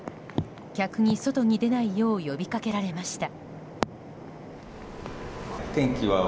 客に外に出ないよう呼びかけられました。